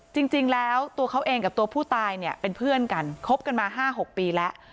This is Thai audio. จริงแล้วตัวเขาเองกับตัวผู้ตายเนี่ยเป็นเพื่อนกันคบกันมา๕๖ปีแล้ว